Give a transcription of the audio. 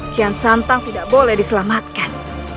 kian santang tidak boleh diselamatkan